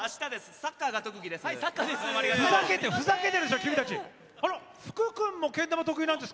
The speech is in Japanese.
サッカーが特技です。